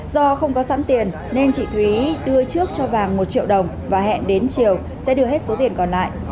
do không có sẵn tiền nên chị thúy đưa trước cho vàng một triệu đồng và hẹn đến chiều sẽ đưa hết số tiền còn lại